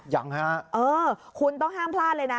ยังฮะเออคุณต้องห้ามพลาดเลยนะ